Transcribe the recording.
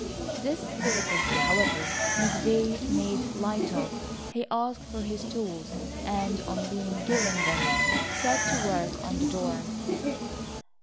This difficulty, however, McVay made light of. He asked for his tools and on being given them set to work on the door.